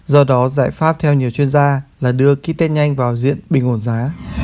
do đó giải pháp theo nhiều chuyên gia là đưa ký test nhanh vào diện bình ổn giá